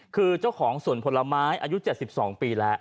คือเจ้าของสวนผลไม้อายุ๗๒ปีแล้ว